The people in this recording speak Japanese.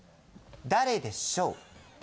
誰でしょう。